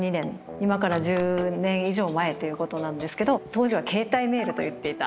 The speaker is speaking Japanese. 今から１０年以上前っていうことなんですけど当時は携帯メールといっていた